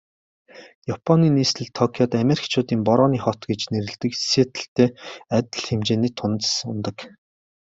Японы нийслэл Токиод Америкчуудын Борооны хот гэж нэрлэдэг Сиэтллтэй адил хэмжээний тунадас унадаг.